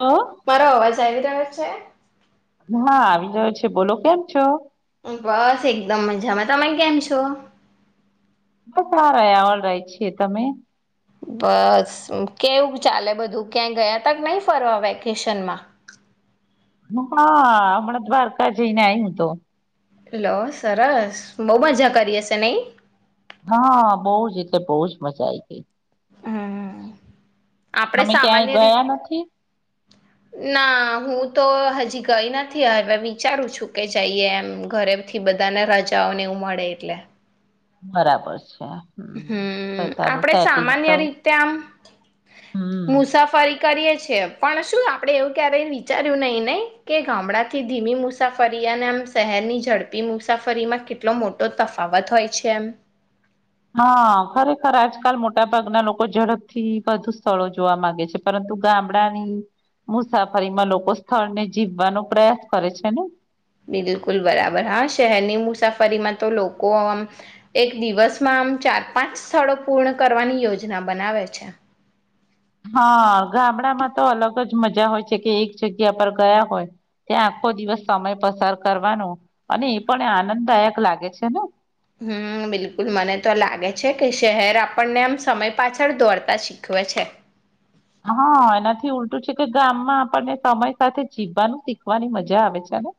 ઓ મારો અવાજ આવ્યો? કયા છે? હા, આવી ગયો છે, બોલો, કેમ છો? બસ, એકદમ મજામાં, તમે કેમ છો? તમે ક્યા રેહ છે, તમે? બસ, કેવું ચાલે બધું, ક્યાંય ગયા તક નહીં ફરવા વેકેશનમાં? હા, હમણાં દ્વારકા જઈ ને આ હું તો હેલો, સરસ, બહુ મજા કરી હશે નઈ? હા, બહુ જ, એટલે બહુજ મજા આઈ ગઈ. હમ આપડે અમે ક્યાંય સામાન્ય રીત ગયા નથી. ના, હું તો હજી ગઈ નથી. હવે વિચારું છું કે જઈએ, એમ ઘરેથી બધાને રાજાઓને એવું મળે એટલે બરાબર છે. હમ હમ, પોતાનું આપણેે સેટિંગ સામાન્ય થવું રીતે આમ હમ મુસાફરી કરીએ. પણ શું આપણેે એવું ક્યારેય વિચાર્યું નહીં નહીં કે ગામડા થી ધીમી મુસાફરી અને એમ શહેરની ઝડપી મુસાફરીમાં કેટલો મોટો તફાવત હોય છે એમ? હા, ખરેખર, આજકાલ મોટા ભાગના લોકો ઝડપથી વધુ સ્થળો જોવા માંગે છે, પરંતુ ગામડાની મુસાફરીમાં લોકો સ્થળને જીવવાનો પ્રયાસ કરે છે ને? બિલકુલ બરાબર, હા, શહેરની મુસાફરીમાં તો લોકો આમ એક દિવસમાં આમ ચાર-પાંચ સ્થળો પૂર્ણ કરવાની યોજના બનાવે છે. હા, ગામડામાં તો અલગ જ મજા હોય છે કે એક જગ્યા પર ગયા હોય ત્યાં આખો દિવસ સમય પસાર કરવાનો, અને એ પણ આનંદદાયક લાગે છે ને? હમ, બિલકુલ, મને તો લાગે છે કે શહેર આપણને આમ સમય પાછળ દોડતા શીખવે છે. હા, એનાથી ઉલટું છે કે ગામમાં આપણને સમય સાથે જીવવાનું શીખવાની મજા આવે છેને.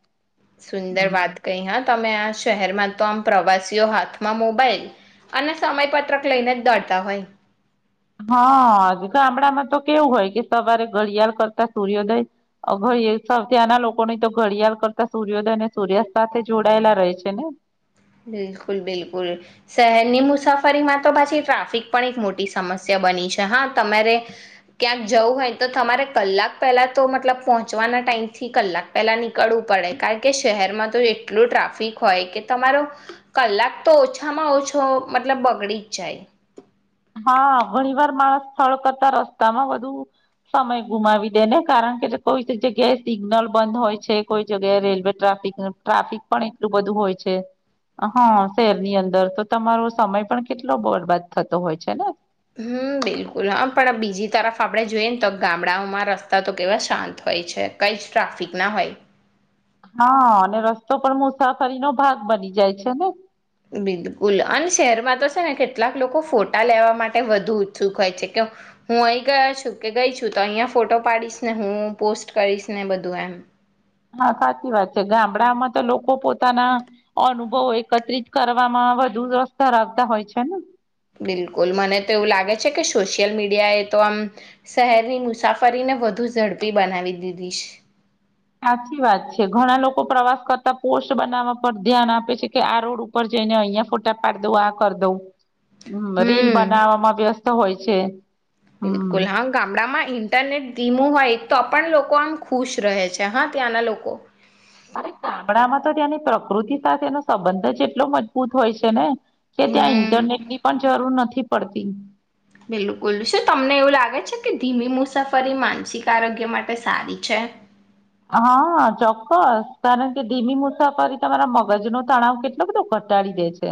સુંદર વાત કહી હ‌. તમે આ શહેરમાં તો આમ પ્રવાસીઓ હાથમાં મોબાઈલ અને સમય પત્રક લઈને જ દોડત હોય. હા, ગામડામાં તો કેવું હોય કે સવારે ઘડિયાળ કરતા સૂર્યોદય થી ત્યાંના લોકોની તો ઘડિયાળ કરતા સૂર્યોદય અને સૂર્યાસ્ત સાથે જોડાયેલા રહે છે ને. બિલકુલ, બિલકુલ, શહેરની મુસાફરીમાં તો પાછી ટ્રાફિક પણ એક મોટી સમસ્યા બની છે. હા, તમારે ક્યાંક જવું હોય તો તમારે કલાક પહેલા તો મતલબ પહોંચવાના ટાઈમથી કલાક પહેલા નીકળવું પડે, કારણ કે શહેરમાં તો એટલું ટ્રાફિક હોય કે તમારો કલાક તો ઓછામાં ઓછો મતલબ બગડી જ જાય. હા, ઘણી વાર માણસ સ્થળ કરતા રસ્તામાં વધુ સમય ગુમાવી દે ને, કારણ કે કોઈ જગ્યાએ સિગ્નલ બંધ હોય છે, કોઈ જગ્યાએ રેલવે ટ્રાફિક ટ્રાફિક પણ એટલું બધું હોય છે, હા, શહેરની અંદર તો તમારો સમય પણ કેટલો બરબાદ થતો હોય છે. છે. હમ, બિલકુલ, હા, પણ બીજી તરફ આપણે જોઈએ ને તો ગામડાઓમાં રસ્તા તો કેવા શાંત હોય છે, કંઈ જ ટ્રાફિક ના હોય. હા, અને રસ્તો પણ મુસાફરીનો ભાગ બની જાય છે ને. બિલકુલ, અને શહેરમાં તો છે ને કેટલાક લોકો ફોટા લેવા માટે વધુ ઉત્સુક હોય છે કે હું અહીં ગયા છું કે ગઈ છું, તો અહીંયા ફોટો પાડીશ ને હું પોસ્ટ કરીશ ને બધું એમ. હા, સાચી વાત છે, ગામડામાં તો લોકો પોતાના અનુભવો એકત્રિત કરવામાં વધુ રસ ધરાવતા હોય છે ને. બિલકુલ, મને તો એવું લાગે છે કે સોશિયલ મીડિયાએ તો આમ શહેરની મુસાફરીને વધુ ઝડપી બનાવી દીધી છે. સાચી વાત છે, ઘણા લોકો પ્રવાસ કરતા પોસ્ટ બનાવવા પર ધ્યાન આપે છે કે આ રોડ ઉપર જઈને અહિયાં ફોટા પાડી દઉં, આ કર દઉં. હમ, રીલ બનાવવામાં વ્યસ્ત. હોય છે. હમ બિલકુલ, હા, ગામડામાં ઇન્ટરનેટ હું હોય તો પણ લોકો આમ ખુશ રહે છે, હા, ત્યાંના લોકો. [inaudible] તો તેની પ્રકૃતિ સાથેનો સંબંધ જ એટલો મજબૂત હોય છે ને કે ત્યાં હમ ઇન્ટરનેટ ની પણ જરૂર નથી પડતી બિલકુલ શું તમને એવું લાગે છે કે ધીમી મુસાફરી માનસિક આરોગ્ય માટે સારી છે હા ચોક્કસ કારણ કે ધીમી મુસાફરી તમારા મગજ નો તણાવ કેટલો બધો ઘટાડી દે છે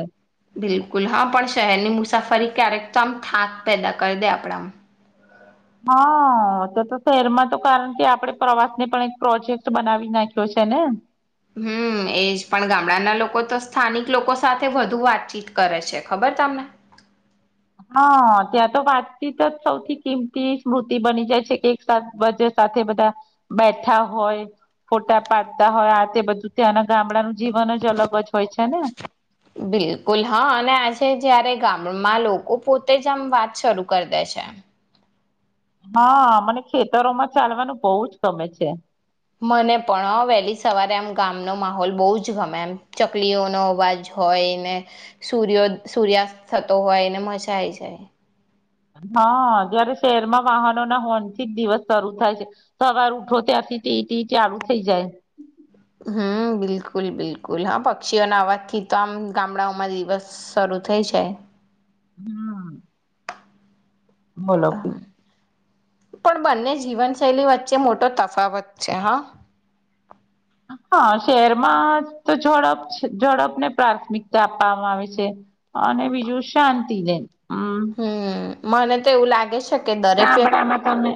બિલકુલ હા પણ શહેરની મુસાફરી ક્યારેક તો આમ થાક પેદા કરી દે આપણામ હા તો તો શહેરમાં તો કારણ કે આપણેે પ્રવાસ ને પણ એક પ્રોજેક્ટ બનાવી નાખ્યો છે ને હમ એજ પણ ગામડાના લોકો તો સ્થાનિક લોકો સાથે વધુ વાતચીત કરે છે ખબર તમને હા ત્યાં તો વાતચીત જ સૌથી કિંમતી સ્મૃતિ બની જાય છે કે એક સાથે બધા બેઠા હોય ફોટા પાડતા હોય આ તે બધું ત્યા ગામડાનું જીવન જ અલગ જ હોય છે ને બિલકુલ હા અને આજે જયારે ગામમાં લોકો પોતે જ આમ વાત શરૂ કરી દે છે હા મને ખેતરોમાં ચાલવાનું બહુ જ ગમે છે મને પણ વહેલી સવારે આમ ગામનો માહોલ બહુ જ ગમે એમ ચકલીઓનો અવાજ હોયને સૂર્યો સૂર્યાસ્ત થતો હોય ને મજાાય જાય હા જયારે શહેરમાં વાહનો ના હોન થી જ દિવસ શરૂુ થાય છે સવાર ઉઠો ત્યાંથી તે ટ ચાલુ થઇ જાય હમ બિલકુલ બિલકુલ હા પક્ષીઓના અવાજથી તો આમ ગામડાઓમાં દિવસ શરૂ થઇ જ હમ બોલોી હમ. પણ બંને જીવનશૈલી વચ્ચે મોટો તફાવત છે હા હા શહેરમાં તો ઝડપ ઝડપ ને પ્રાથમિકતા આપવામાં આવે છે અને બીજું શાંતિ દેન હમ મને તો એવું લાગે છે કે દરેક તા વ્યક્તિ બડામાં તને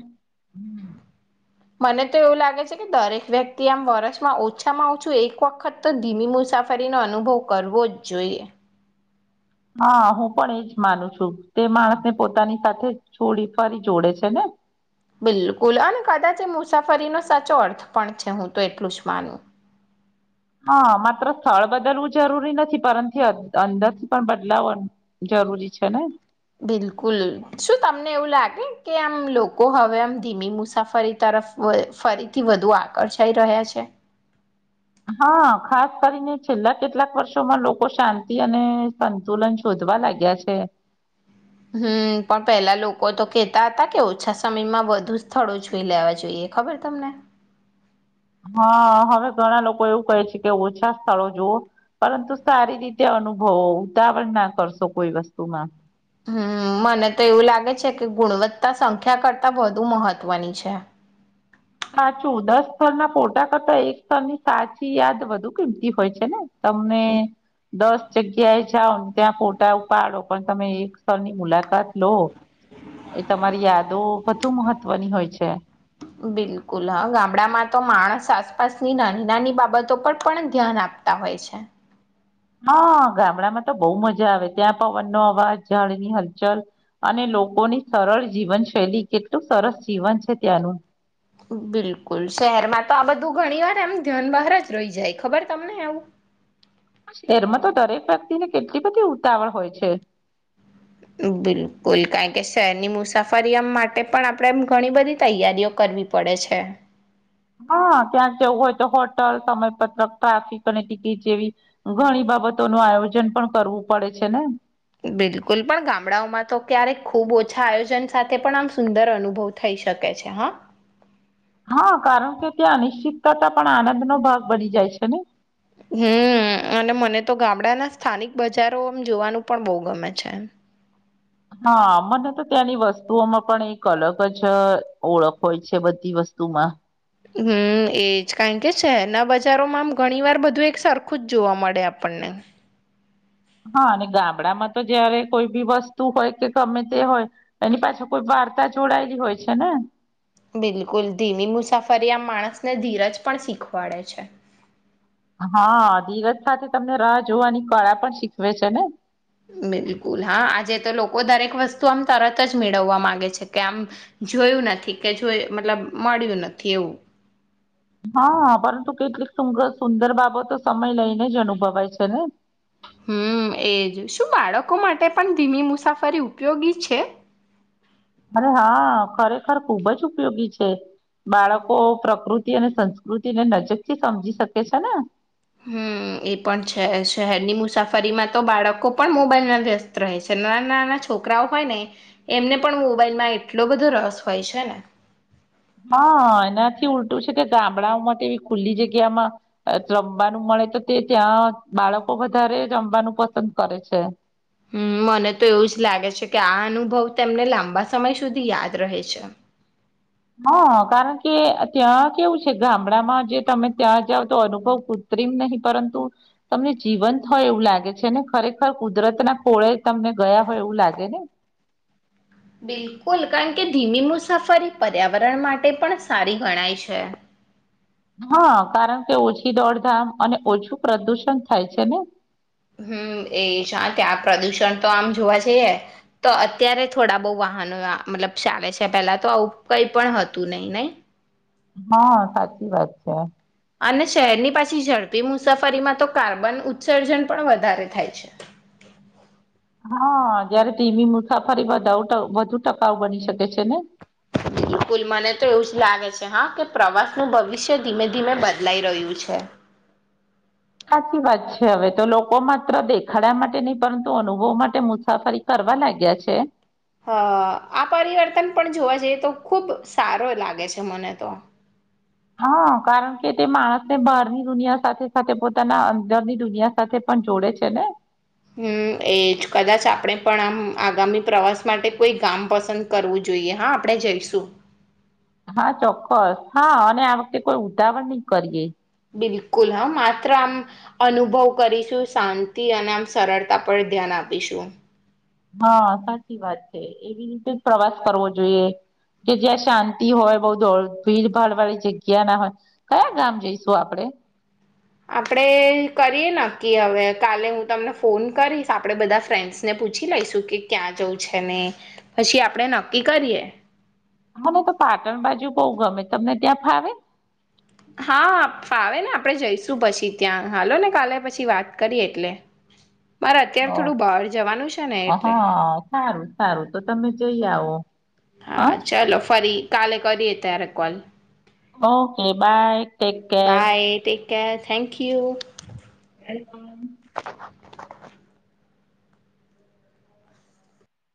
મને તો એવું લાગે છે કે દરેક વ્યક્તિ આમ વર્ષમાં ઓછામાં ઓછું એક વખત તો ધીમી મુસાફરીનોો અનુભવ કરવો જ જોઈએ હા હું પણ એજ માનું છું તે માણસને પોતાની સાથે છોડી ફરી જોડે છે ને બિલકુલ અને કદાચ એ મુસાફરીનો સાચો અર્થ પણ છે હું તો એટલું જ માનું હા માત્ર સ્થળ બદલવું જરૂરી નથી પરંતુ અંદરથી પણ બદલાવ જરૂરી છે ને બિલકુલ શું તમને એવું લાગે કે આમ લોકો હવે આમ ધીમી મુસાફરી તરફ ફરીથી વધુ આકર્ષાઈ રહ્યા છે હા ખાસ કરીને છેલ્લા કેટલાક વર્ષોમાં લોકો શાંતિ અને સંતુલન શોધવા લાગ્યા છે હમ પણ પેલા લોકો તો કેતા હતા કે ઓછા સમયમાં બધુ સ્થળો જોઈ લેવા જોઈએ ખબર તમને હા હવે ઘણા લોકો એવું કહે છે કે ઓછા સ્થળો જુવઓ પરંતુ સારી રીતે અનુભવો ઉતાવળ ના કરશો કોઈ વસ્તુમાં હમ મને તો એવું લાગે છે કે ગુણવત્તા સંખ્યા કરતા વધુ મહત્વની છે સાચું દસ સ્થળના ફોટા કરતા એક સ્થળની સાચી યાદ વધુ કિંમતી હોય છે ને તમને દસ જગ્યાએ છા ત્યાં ફોટા ઉપાડો પણ તમે એક સ્રની મુલાકાત લો એ તમારી યાદો કતું ની હોય છે બિલકુલ હ ગામડામાં તો માણસ આસપાસની નાની નાની બાબતો પર પણ ધ્યાન આપતા હોય છે હા ગામડામાં તો બહુ મજા આવે ત્યાં પવનનો અવાજ ઝાડની હલચલ અને લોકોની સરળ જીવનશૈલી કેટલું સરસ જીવન છે ત્યાંનું બિલકુલ શહેરમાં તો આ બધું ઘણી વાર એમ ધ્યાન બહાર જ રહી જાય ખબર તમને આવું એેરમાં તો દરેક વ્યક્તિને કેટલી બધી ઉતાવળ હોય છે બિલકુલ કારણ કે શહેરની મુસાફરી માટે પણ આપણેે એમ ઘણી બધી તૈયારીઓ કરવી પડે છે હા ક્યાંક જેવું હોય તો હોટલ સમયપત્રક ટ્રાફિક અને ટિકિટ જેવી ઘણી બાબતો નો આયોજન પણ કરવું પડે છે ને બિલકુલ પણ ગામડાઓમાં તો ક્યારેક ખુબ ઓછા આયોજન સાથે પણ આમ સુંદર અનુભવ થઈ શકે છે હા હા કારણ કે ત્યાં અ નિિશ્ચિત કરતા પણ આનંદ નો ભાગ બની જાય છે ને હમ અને મને તો ગામડાના સ્થાનિક બજારો એમ જોવાનું પણ બહુ ગમે છે હા મને તો ત્યાંની વસ્તુઓમાં પણ એક અલગ જ ઓળખ હોય છે બધી વસ્તુમાં હમ એજ કારણ કે શહેરના બજારોમાં આમ ઘણી વાર બધું એક સરખું જ જોવા મળે આપણને હા અને ગામડામાં તો જયારે કોઈ બી વસ્તુ હોય કે ગમે તે હોય એની પાછળ કોઈ વાર્તા જોડાયેલી હોય છે ને બિલકુલ ધીમી મુસાફરી આ માણસને ધીરજ પણ શીખવાડે છે હા ધીરજ સાથે તમને રાહ જોવાની કળા પણ શીખવે છે ને બિલકુલ હા આજે તો લોકો લોકો દરેક વસ્તુ આમ તરત જ મેળવવા માંગે છે કે આમ જોયું નથી કે જોય મતલબ મળ્યું નથી એવું હા પરંતુ કેટલીક સુંર સુંદર બાબતો સમય લઈને જ અનુભવાય છે ને હમ એજ શું બાળકો માટે પણ ધીમી મુસાફરી ઉપયોગી છે. અરે હા ખરેખર ખુબ જ ઉપયોગી છે બાળકો પ્રકૃતિ અને સંસ્કૃતિને નજીક થી સમજી શકે છે ને હમ એ પણ છે શહેરની મુસાફરીમાં તો બાળકો પણ મોબાઈલમાં વ્યસ્ત રહે છે નાના નાના છોકરાઓ હોય ને એમને પણ મોબાઈલમાં એટલો બધો રસ હોય છે ને હા એનાથી ઉલટું છે તે ગામડાઓમાં તેવી ખુલ્લી જગ્યામાં રમવાનું મળે તો તે ત્યાં બાળકો વધારે રમવાનું પસંદ કરે છે. હમ મને તો એવું જ લાગે છે કે આ અનુભવ તેમને લાંબા સમય સુધી યાદ રહે છે. હા કારણ કે ત્યાં કેવું છે ગામડામાં જે તમે ત્યાં જઓ તો અનુભવ કૃત્રિમ નહી પરંતુ તમને જીવંત હોય એવું લાગે છે ને ખરેખર કુદરતના કોળે તમને ગયા હોય એવું લાગે ને બિલકુલ કારણ કે ધીમી મુસાફરી પર્યાવરણ માટે પણ સારી ગણાય છે હા કારણ કે ઓછી દોડધામ અને ઓછું પ્રદુષણ થાય છે ને હમ એ છે ત્યાં પ્રદુષણ તો આમ જોવા જઈએ તો અત્યારે થોડા બહુ વાહનો મતલબ ચાલે છે પેલા તો આવું કઈ પણ હતું નહી નહી હા સાચી વાત છે. અને શહેરની પાછી ઝડપી મુસાફરીમાં તો કાર્બન ઉત્સર્જન પણ વધારે થાય છે. હા જયારે ધીમી મુસાફરી વધુ ટકાઉ બની શકે છે ને બિલકુલ મને તો એવું જ લાગે છે હા કે પ્રવાસનું ભવિષ્ય ધીમે ધીમે બદલાઈ રહ્યું છે. સાચી વાત છે હવે તો લોકો માત્ર દેખાડ્યા માટે નહી પરંતુ અનુભવ માટે મુસાફરી કરવા લાગ્યા છે. હ આ પરિવર્તન પણ જોવા જઈએ તો ખુબ સારો લાગે છે મને તો હા કારણ કે તે માણસને બહારની દુનિયા સાથે સાથે પોતાના અંદરની દુનિયા સાથે પણ જોડે છે ને હમ એ જ કદાચ આપણે પણ આમ આગામી પ્રવાસ માટે કોઈ ગામ પસંદ કરવું જોઈએ હા આપણે જઈશું હા ચોક્કસ હા અને આ વખતે કોઈ ઉતાવળ નહી કરીએે બિલકુલ હા માત્ર આમ અનુભવ કરીશું શાંતિ અને આમ સરળતા પર ધ્યાન આપીશું હા સાચી વાત છે એવી રીતે જ પ્રવાસ કરવો જોઈએ કે જ્યાં શાંતિ હોય બઉ દોડ ભીડ ભાડ વાળી જગ્યા ના હોય કયા ગામ જઈશું આપડે આપણેે કરીએ નક્કી હવે કાલે હું તમને ફોન કરીશ આપણે બધા ફ્રેન્ડ્સને પૂછી લઈશું કે ક્યાં જઉં છે ને પછી આપણે નક્કી કરીએ મને તો પાટણ બાજુ બહઉ ગમે તમને ત્યાં ફાવે હા ફાવે ને આપણે જઈશું પછી ત્યાં હાલો ને કાલે પછી વાત કરી એટલે મારે અત્યારે ઓ થોડું બહાર જવાનું છે ને એટલે હા સારું સારું તો તમે જઈ આવો હા હ ચાલો ફરી કાલે કરીએ તેરેકોલ okay bye take care okay thank you [inaudible]